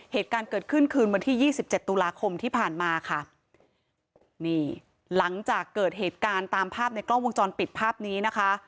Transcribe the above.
เหตุการณ์เกิดขึ้นคืนวันที่ยี่สิบเจ็ดตุลาคมที่ผ่านมาค่ะนี่หลังจากเกิดเหตุการณ์ตามภาพในกล้องวงจรปิดภาพนี้นะคะ